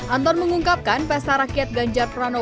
anton mengungkapkan pesta rakyat ganjar pranowo